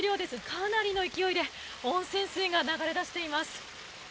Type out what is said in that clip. かなりの勢いで温泉水が流れ出しています。